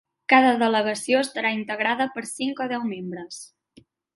Cada delegació estarà integrada per cinc o deu membres.